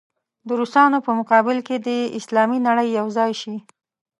د روسانو په مقابل کې دې اسلامي نړۍ یو ځای شي.